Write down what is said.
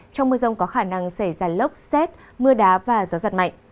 trong mưa rông có khả năng xảy ra lốc xét mưa đá và gió giật mạnh